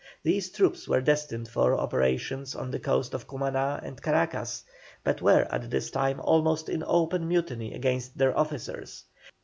These troops were destined for operations on the coast of Cumaná and Caracas, but were at this time almost in open mutiny against their officers.